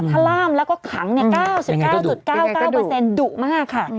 ถ้าล่ามแล้วก็ขัง๙๙๙๙๙ดุมากค่ะ